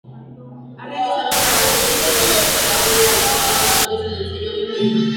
Ha realizado grabaciones de una gran variedad de compositores con el sello Hyperion.